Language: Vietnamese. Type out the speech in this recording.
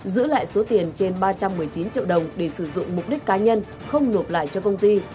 giữ lại số tiền trên ba trăm một mươi chín triệu đồng để sử dụng mục đích cá nhân không nộp lại cho công ty